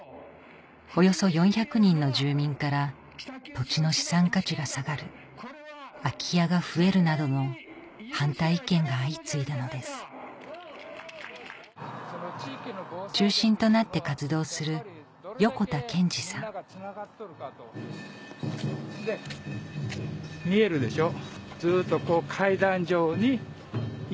およそ４００人の住民から「土地の資産価値が下がる」「空き家が増える」などの反対意見が相次いだのです中心となって活動する見えるでしょ？